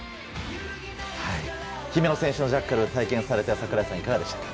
姫野選手のジャッカルを体験されて櫻井さん、いかがでしたか。